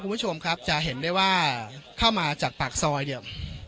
คุณผู้ชมครับจะเห็นได้ว่าเข้ามาจากปากซอยเนี่ย